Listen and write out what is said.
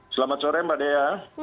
selamat sore mbak dea